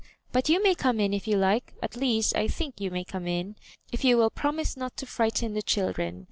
But you may come in if you like — at least I think you may come in, if you will promise not to frighten the children.